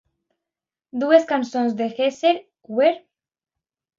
Dues cançons de "Hesher" - "Where?